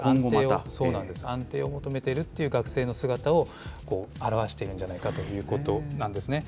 そうですね、安定を求めてるという学生の姿を表しているんじゃないかということなんですね。